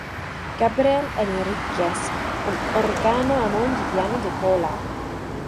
Gabriel Henríquez en órgano Hammond y piano de cola.